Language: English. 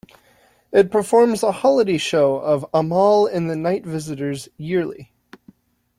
It performs a holiday show of "Amahl and the Night Visitors" yearly.